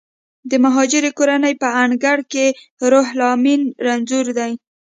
د مهاجرې کورنۍ په انګړ کې روح لامین رنځور دی